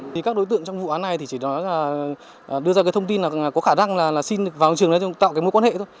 thì các đối tượng trong vụ án này thì chỉ nói là đưa ra cái thông tin là có khả năng là xin vào trường nói chung tạo cái mối quan hệ thôi